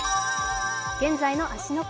現在の芦ノ湖。